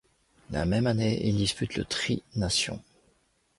La même année, il dispute le Tri nations.